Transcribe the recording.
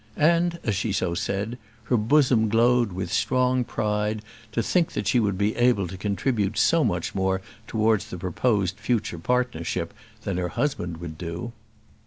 And as she so said, her bosom glowed with strong pride to think that she would be able to contribute so much more towards the proposed future partnership than her husband would do.